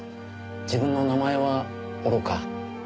自分の名前はおろか住所